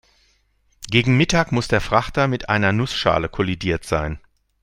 Gegen Mittag muss der Frachter mit einer Nussschale kollidiert sein.